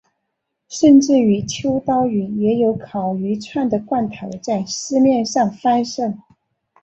甚至于秋刀鱼也有烤鱼串的罐头在市面上贩售。